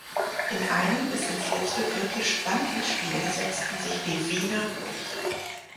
In einem bis ins letzte Viertel spannenden Spiel setzten sich die Wiener durch.